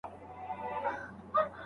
غږ ټیټ وساته.